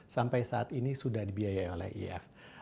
sampai saat ini sudah dibiayai oleh if